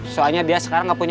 soalnya dia sekarang gak percaya